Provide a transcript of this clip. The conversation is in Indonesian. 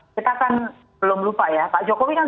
kita kan belum lupa ya pak jokowi kan